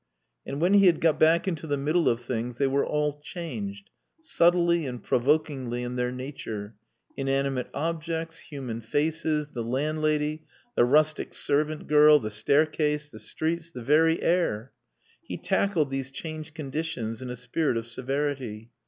And when he had got back into the middle of things they were all changed, subtly and provokingly in their nature: inanimate objects, human faces, the landlady, the rustic servant girl, the staircase, the streets, the very air. He tackled these changed conditions in a spirit of severity.